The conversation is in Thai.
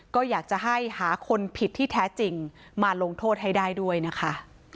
ก็อยากจะให้หาคนผิดที่แท้จริงมาลงโทษให้ได้ด้วยนะคะ